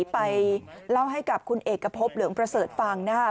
ไปเล่าให้กับคุณเอกพบเหลืองประเสริฐฟังนะครับ